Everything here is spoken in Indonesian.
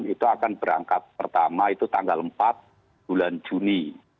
itu akan berangkat pertama itu tanggal empat bulan juni